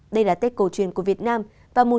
đây là tết cầu truyền của việt nam và một số lễ nghi độc đáo